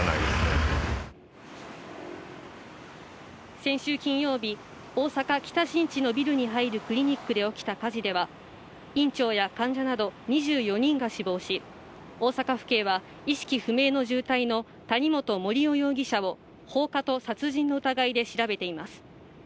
先週金曜日、大阪・北新地のビルに入るクリニックで起きた火事では院長や患者など２４人が死亡し、大阪府警は意識不明の重体の谷本盛雄容疑者を放火と殺人の疑いで調べています。